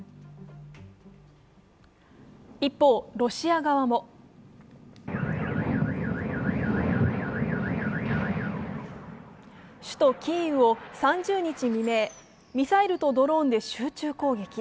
一方、ロシア側も首都キーウを３０日未明、ミサイルとドローンで集中攻撃。